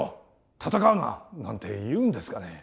戦うな！」なんて言うんですかね？